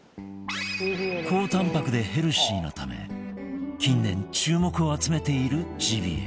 高タンパクでヘルシーなため近年注目を集めているジビエ